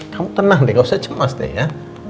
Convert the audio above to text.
kamu tenang deh nggak usah cemas deh ya